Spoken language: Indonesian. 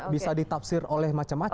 bisa ditafsir oleh macam macam